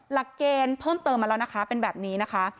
หลักเกณฑ์เพิ่มเติมมาแล้วนะคะเป็นแบบนี้นะคะ